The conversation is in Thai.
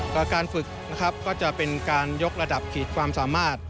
ก็การฝึกนะครับก็จะเป็นการยกระดับขีดความสามารถ